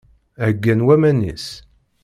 Heggan waman-is.